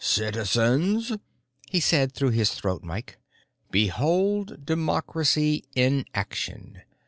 "Citizens," he said through his throat mike, "behold Democracy in Action!